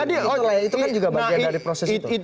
itu kan juga bagian dari proses itu